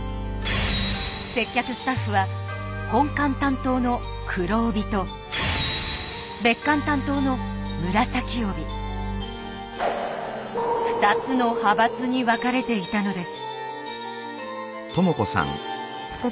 接客スタッフは本館担当の「黒帯」と別館担当の「紫帯」２つの派閥に分かれていたのです。